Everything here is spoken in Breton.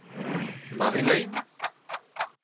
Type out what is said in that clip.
Mare lein ?